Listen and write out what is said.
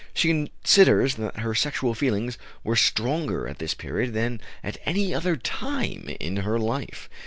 She considers that her sexual feelings were stronger at this period than at any other time in her life.